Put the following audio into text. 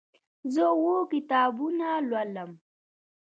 زه اووه کتابونه لولم.